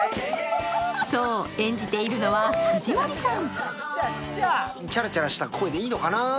そう、演じているのは藤森さん。